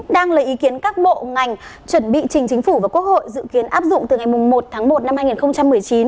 đang lấy ý kiến các bộ ngành chuẩn bị trình chính phủ và quốc hội dự kiến áp dụng từ ngày một tháng một năm hai nghìn một mươi chín